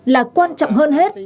là quan trọng hơn hết